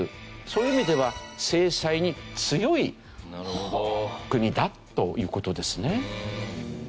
そういう意味では制裁に強い国だという事ですね。